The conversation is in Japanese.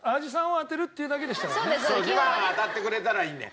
２番が当たってくれたらいいんだよ。